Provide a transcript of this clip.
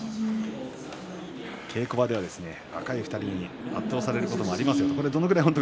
稽古場では若い２人に圧倒されることもありますと言っていました。